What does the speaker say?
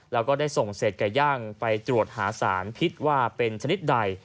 แล้วก็ได้ส่งเศษไก่ย่างไปตรวจหาสารพิษว่าเป็นชนิดใด